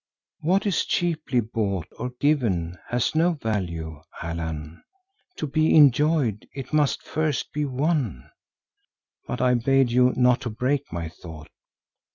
What is cheaply bought, or given, has no value, Allan; to be enjoyed, it must first be won. But I bade you not to break my thought."